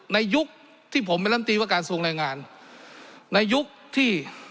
ยุคที่ผมเป็นลำตีว่าการทรงแรงงานในยุคที่